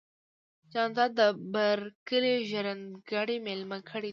جانداد د بر کلي ژرندګړی ميلمه کړی و.